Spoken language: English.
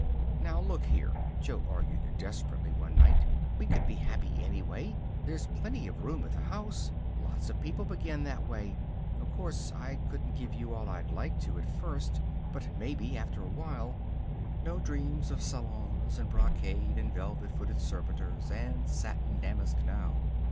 "Now, look here!" Jo argued, desperately, one night. "We could be happy, anyway. There's plenty of room at the house. Lots of people begin that way. Of course, I couldn't give you all I'd like to, at first. But maybe, after a while " No dreams of salons, and brocade, and velvet footed servitors, and satin damask now.